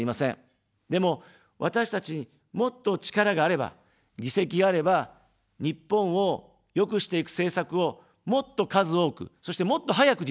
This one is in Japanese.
でも、私たちに、もっと力があれば、議席があれば、日本を良くしていく政策を、もっと数多く、そして、もっと早く実現できます。